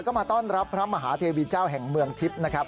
ก็มาต้อนรับพระมหาเทวีเจ้าแห่งเมืองทิพย์นะครับ